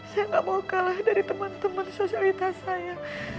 saya gak mau kalah dari teman teman sosialitas saya